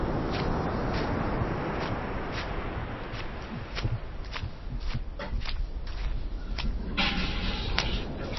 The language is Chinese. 这是以先前主带小行星观测结果为基础的一个项目。